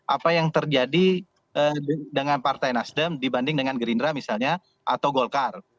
apa yang terjadi dengan partai nasdem dibanding dengan gerindra misalnya atau golkar